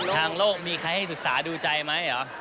ทางโลกมีใครให้ศึกษาดูใจไหมเหรอ